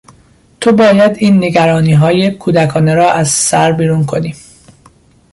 تو باید این نگرانیهای کودکانه را از سر بیرون کنی!